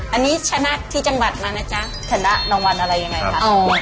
อันนี้ชนะที่จังหวัดนะนะจ๊ะชนะจังหวัดอะไรยังไงครับอ๋อ